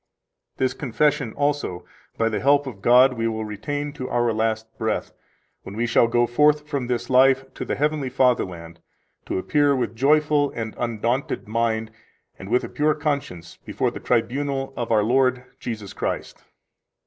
This Confession also, by the help of God, we will retain to our last breath, when we shall go forth from this life to the heavenly fatherland, to appear with joyful and undaunted mind and with a pure conscience before the tribunal of our Lord Jesus Christ.